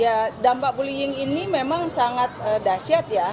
ya dampak bullying ini memang sangat dahsyat ya